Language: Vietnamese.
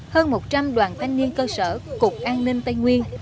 hơn một trăm linh đoàn thanh niên cơ sở cục an ninh tây nguyên